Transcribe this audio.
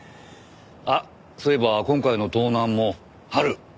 あっそういえば今回の盗難も春夏冬。